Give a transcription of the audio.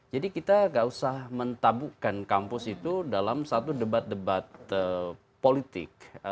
jadi kita gak usah mentabukkan kampus itu dalam satu debat debat politik